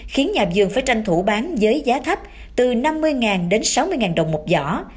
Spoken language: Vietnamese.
khiến nhà vườn phải tranh thủ bán với giá thấp từ năm mươi ngàn đến sáu mươi ngàn đồng một vỏ